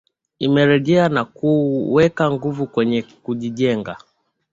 Imerejea na kuweka nguvu kwenye kujijenga